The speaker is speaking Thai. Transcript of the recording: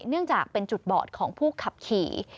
เนื่องจากเป็นจุดบอดของผู้ขับขี่